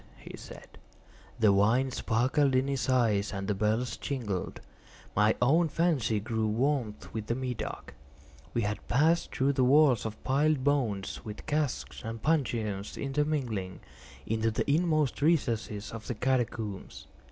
he said. The wine sparkled in his eyes and the bells jingled. My own fancy grew warm with the Medoc. We had passed through walls of piled bones, with casks and puncheons intermingling, into the inmost recesses of the catacombs.